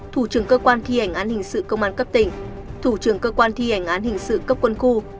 thủ trưởng cơ quan thi hành án hình sự công an cấp tỉnh thủ trưởng cơ quan thi hành án hình sự cấp quân khu